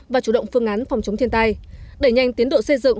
và chủ động phương án phòng chống thiên tai đẩy nhanh tiến độ xây dựng